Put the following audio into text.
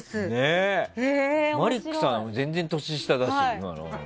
マリックさん、全然年下だし。